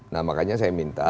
nah makanya saya minta